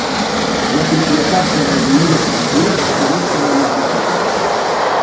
La propietat de reduir la fricció es coneix com a lubricitat.